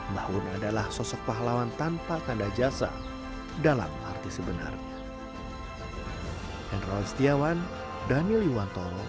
mbahun adalah sosok pahlawan tanpa tanda jasa dalam arti sebenarnya